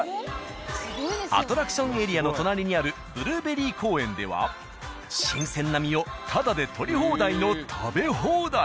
アトラクションエリアの隣にあるブルーベリー公園では新鮮な実をタダで取り放題の食べ放題。